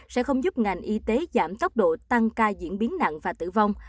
sẽ không giúp ngành y tế giảm tốc độ tăng ca diễn biến nặng và tử vong